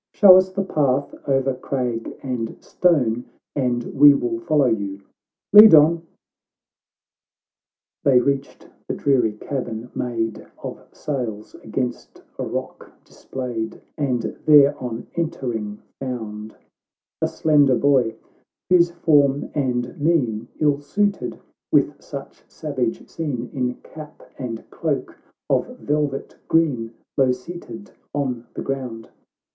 — Show us the path o'er crag and stone, And we will follow you ;— lead on." — XXII They reached the dreary cabin, made Of sails against a rock displayed, And there, on entering, found A slender boy, whose form and mien 111 suited with such savage scene, In cap and cloak of velvet green, Low seated on the ground.